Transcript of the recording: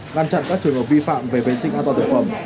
ngăn chặn các trường hợp vi phạm về vệ sinh an toàn thực phẩm